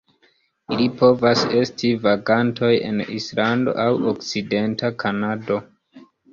Ili povas esti vagantoj en Islando aŭ okcidenta Kanado.